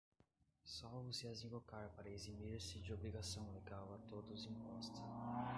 salvo se as invocar para eximir-se de obrigação legal a todos imposta